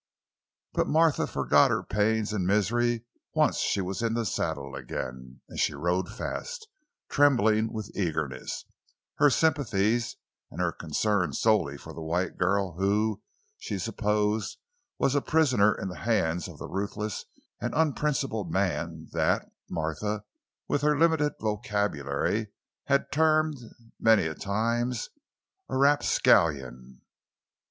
But Martha forgot her pains and misery once she was in the saddle again, and she rode fast, trembling with eagerness, her sympathies and her concern solely for the white girl who, she supposed, was a prisoner in the hands of the ruthless and unprincipled man that Martha, with her limited vocabulary, had termed many times a "rapscallion."